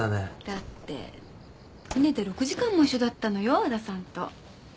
だって船で６時間も一緒だったのよ和田さんと。